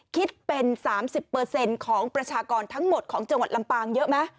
คิดเป็น๓๐ของประชากรทั้งหมดของจังหวัดลำปางเยอะไหม